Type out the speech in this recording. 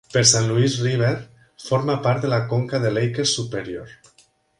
Per Saint Louis River, forma part de la conca de Laker Superior.